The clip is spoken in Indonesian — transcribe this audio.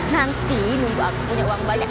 nanti nunggu aku punya uang banyak